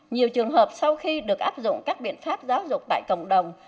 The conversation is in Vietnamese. nhiều trường hợp sau khi được áp dụng các biện pháp giáo dục tại cộng đồng